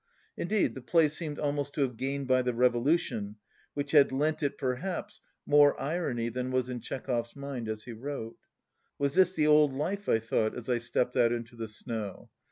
Indeed, the play seemed almost to have gained by the revolution, which had lent it, perhaps, more irony than was in Chekhov's mind as he wrote. Was this the old life*? I thought, as I stepped out into the snow.